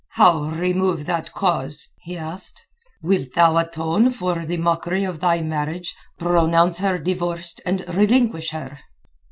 "How remove that cause?" he asked. "Wilt thou atone for the mockery of thy marriage, pronounce her divorced and relinquish her?"